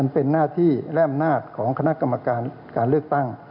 เป็นหน้าที่และอำนาจของคณะกรรมการการเลือกตั้ง